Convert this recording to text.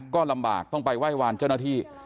ก็ลำบากต้องไปไหว้วานเจ้าหน้าที่